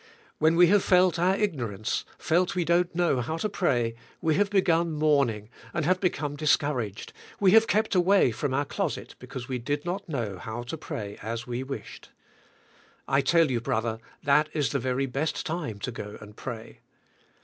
When we have felt our ignorance, felt we don't know how to pray, we have begun mourning, and have become discouraged, we have kept away from our closet because we did not know how to pray as we wished. I tell you, brother, that is the very best time to go and pray.